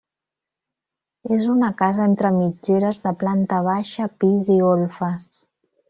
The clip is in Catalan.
És una casa entre mitgeres de planta baixa, pis i golfes.